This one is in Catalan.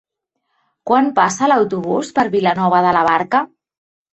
Quan passa l'autobús per Vilanova de la Barca?